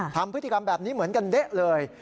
ทำพฤติกรรมแบบนี้เหมือนกันเด๊ะเลย